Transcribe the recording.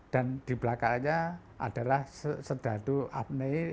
dan di belakangnya adalah sedadu apne